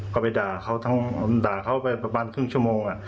ก็ไปด่าเขาไปประมาณครึ่งชั่วโมง